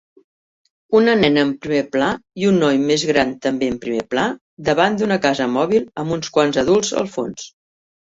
Una nena en primer pla i un noi més gran també en primer pla davant d'una casa mòbil amb uns quants adults al fons.